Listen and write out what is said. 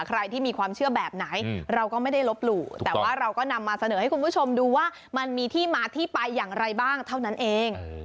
ใครที่มีความเชื่อแบบไหนเราก็ไม่ได้ลบหลู่แต่ว่าเราก็นำมาเสนอให้คุณผู้ชมดูว่ามันมีที่มาที่ไปอย่างไรบ้างเท่านั้นเอง